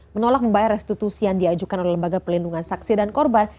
menolak membayar restitusi yang diajukan oleh lembaga pelindungan saksi dan korban